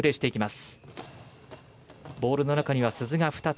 ボールの中には鈴が２つ。